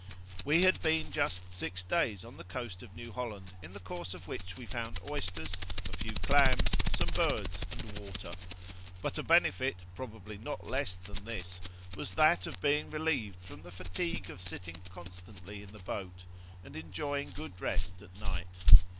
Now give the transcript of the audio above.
'We had been just six days on the coast of New Holland, in the course of which we found oysters, a few clams, some birds and water. But a benefit, probably not less than this, was that of being relieved from the fatigue of sitting constantly in the boat, and enjoying good rest at night.